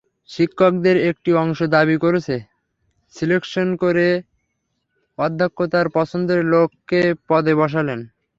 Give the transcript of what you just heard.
শিক্ষকদের একটি অংশ দাবি করছে, সিলেকশন করে অধ্যক্ষ তাঁর পছন্দের লোককে পদে বসালেন।